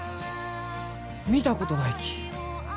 見たことないき。